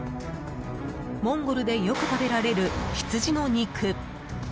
モンゴルでよく食べられるヒツジの肉。